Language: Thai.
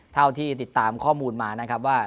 เท่าที่ติดตามข้อมูลมานะครับว่า